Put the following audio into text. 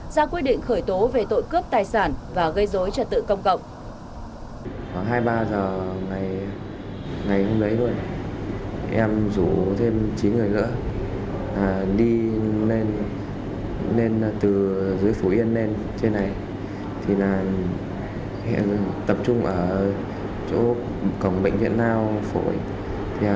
ra quyết định khởi tố về tội cướp tài sản và gây dối trật tự công cộng